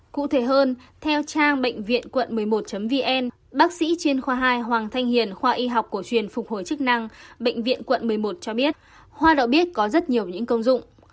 cụ thể hơn theo trang bệnh viện quận một mươi một vn bác sĩ chuyên khoa hai hoàng thanh hiền khoa y học cổ truyền phục hồi chức năng bệnh viện quận một mươi một cho biết khoa đã biết có rất nhiều những công dụng